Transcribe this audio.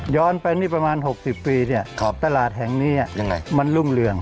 ย้อนไปประมาณ๖๐ปีตลาดแห่งนี้มันรุ่งเรือง